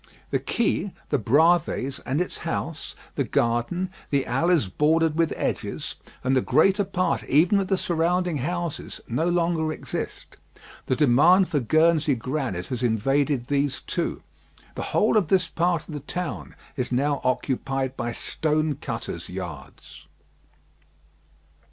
The quay, the Bravées and its house, the garden, the alleys bordered with edges, and the greater part even of the surrounding houses, no longer exist. The demand for Guernsey granite has invaded these too. The whole of this part of the town is now occupied by stone cutters' yards.